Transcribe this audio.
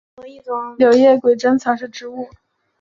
柳叶鬼针草是菊科鬼针草属的植物。